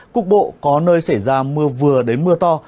cục bộ có nơi xảy ra mưa vừa đến mưa to